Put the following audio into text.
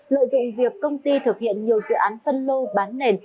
lợi dụng việc công ty thực hiện nhiều dự án phân lô bán nền